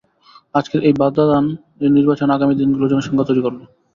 আজকের এই বাধাদান, এই নির্বাচন আগামী দিনগুলোর জন্য শঙ্কা তৈরি করল।